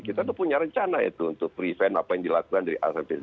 kita itu punya rencana itu untuk prevent apa yang dilakukan dari asal asal